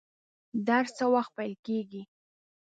درس څه وخت پیل کیږي؟